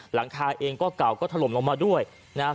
หลังคาเองก็เก่าก็ถล่มลงมาด้วยนะครับ